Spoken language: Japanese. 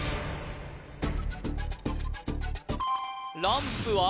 ランプは？